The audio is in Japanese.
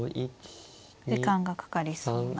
時間がかかりそうな。